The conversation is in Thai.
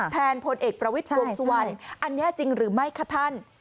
พลเอกประวิทย์วงสุวรรณอันนี้จริงหรือไม่คะท่าน